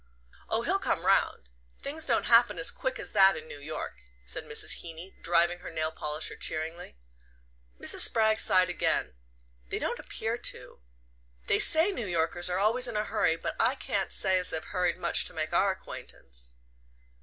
"Oh, he'll come round. Things don't happen as quick as that in New York," said Mrs. Heeny, driving her nail polisher cheeringly. Mrs. Spragg sighed again. "They don't appear to. They say New Yorkers are always in a hurry; but I can't say as they've hurried much to make our acquaintance."